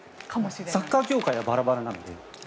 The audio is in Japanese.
サッカー協会はバラバラなので。